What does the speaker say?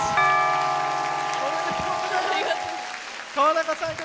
ありがとうございます。